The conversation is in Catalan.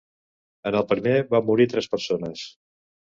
En el primer van morir tres persones.